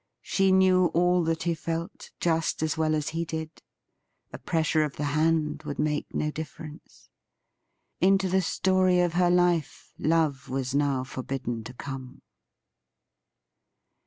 '' She knew all that he felt just as well as he did. A pressure of the hand would make no diiFerence. Into the story of her life love was now forbidden to come.